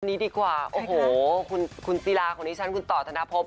วันนี้ดีกว่าโอ้โหคุณซีลาของนี้ฉันคุณต่อธนาภพ